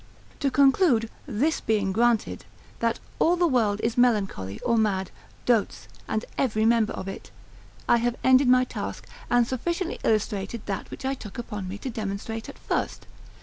To conclude, this being granted, that all the world is melancholy, or mad, dotes, and every member of it, I have ended my task, and sufficiently illustrated that which I took upon me to demonstrate at first.